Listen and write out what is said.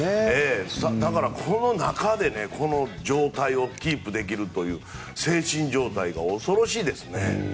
だから、その中でこの状態をキープできる精神状態が恐ろしいですね。